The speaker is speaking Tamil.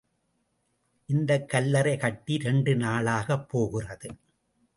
இந்தக் கல்லறை கட்டி இரண்டு நாளாகப் போகிறது.